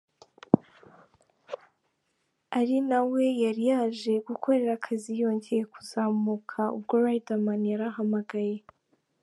ari nawe yari yaje gukorera akazi yongeye kuzamuka ubwo Riderman yarahamagaye.